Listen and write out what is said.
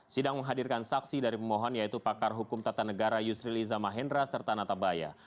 sidang menghadirkan saksi dari pemohon yaitu pakar hukum tata negara yusril iza mahendra serta natabaya